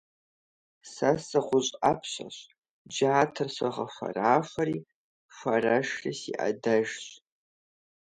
Сэ сыгъущӀ Ӏэпщэщ, джатэр согъэхуэрахуэри хуарэшри си Ӏэдэжщ.